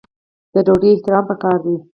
د ډوډۍ احترام پکار دی.